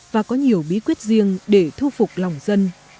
và có nhiều bí quyết riêng để thu phục lòng dân